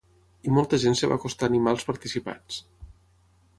I molta gent es va acostar a animar als participats.